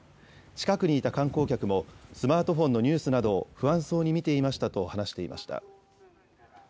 近くにいた観光客も、スマートフォンのニュースなどを不安そうに見ていましたなどと話していました。